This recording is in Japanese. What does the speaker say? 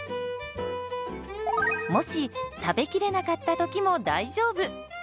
もし食べきれなかった時も大丈夫。